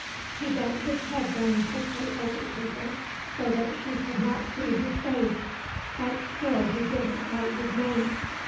He bent his head down quickly over the paper, so that she could not see his face; but still he did not write his name.